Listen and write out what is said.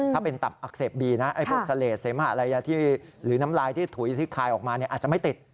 ถ้าเป็นตับอักเสบบีหรือน้ำลายที่ถุยที่คลายออกมาอาจจะไม่ติด